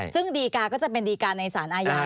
ซึ่งดีกาก็จะเป็นดีการในสารอาญา